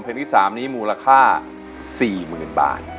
เพลงที่สามนี้มูลค่าสี่หมื่นบาท